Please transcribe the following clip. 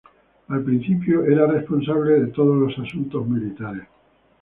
Al principio, era responsable de todos los asuntos militares.